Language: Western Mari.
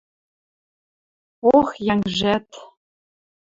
Ох, йӓнгжӓт...